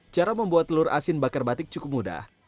cara membuat telur asin bakar batik cukup mudah